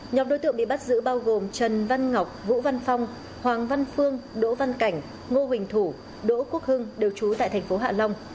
nhóm đối tượng bị bắt giữ bao gồm trần văn ngọc vũ văn phong hoàng văn phương đỗ văn cảnh ngô huỳnh thủ đỗ quốc hưng đều trú tại thành phố hạ long